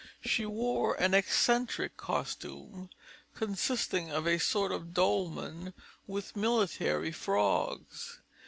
She wore an eccentric costume, consisting of a sort of dolman with military frogs.